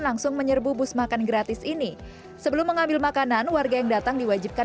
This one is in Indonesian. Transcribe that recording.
langsung menyerbu bus makan gratis ini sebelum mengambil makanan warga yang datang diwajibkan